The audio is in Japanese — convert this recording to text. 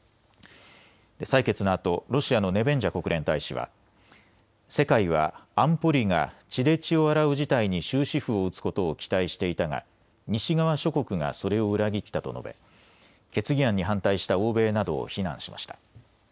採決のあとロシアのネベンジャ国連大使は世界は安保理が血で血を洗う事態に終止符を打つことを期待していたが西側諸国がそれを裏切ったと述べ、決議案に反対した欧米などを非難しました。